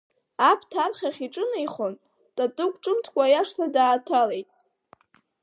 Аԥҭа архахь иҿынеихон, Татыгә ҿымҭкәа иашҭа дааҭалеит.